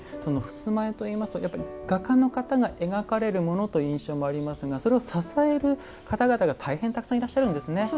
襖絵といいますと画家の方が描かれるものという印象もありますがそれを支える方々が大変たくさんいらっしゃるんですね。